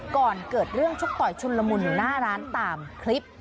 ก่อนเกิดเรื่องชกต่อยชุนละมุนอยู่หน้าร้านตามคลิป